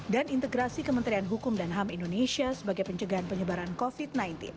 dan integrasi kementerian hukum dan ham indonesia sebagai pencegahan penyebaran covid sembilan belas